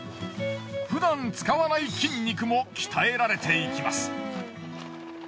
ふだん使わない筋肉も鍛えられていきます。